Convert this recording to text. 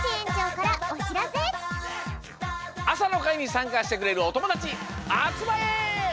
あさのかいにさんかしてくれるおともだちあつまれ！